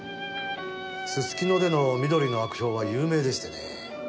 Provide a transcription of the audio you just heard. すすきのでの美登里の悪評は有名でしてね。